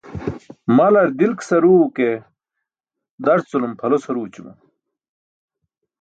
Malar dilk saruu ke, darculum pʰalo saruućuma.